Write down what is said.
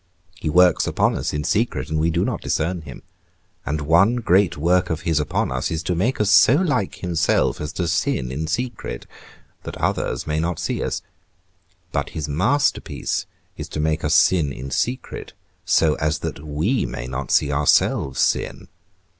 He works upon us in secret and we do not discern him; and one great work of his upon us is to make us so like himself as to sin in secret, that others may not see us; but his masterpiece is to make us sin in secret, so as that we may not see ourselves sin.